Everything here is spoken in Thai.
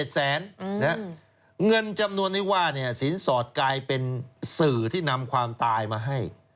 เงินจำนวนที่ว่าสินสอดกลายเป็นสื่อที่นำความตายมาให้